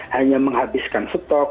hanya menghabiskan stok